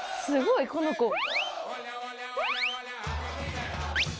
すごい、この子。